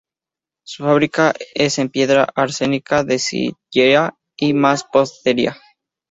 Su fábrica es en piedra arenisca de sillería y mampostería.